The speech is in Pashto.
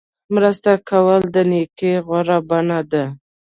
مرسته کول د نیکۍ غوره بڼه ده.